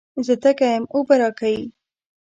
زه تږی یم، اوبه راکئ.